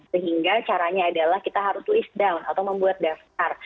sehingga caranya adalah kita harus twist down atau membuat daftar